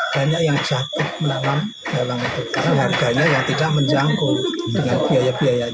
banyak yang jatuh dalam harganya yang tidak menjangkau dengan biaya biaya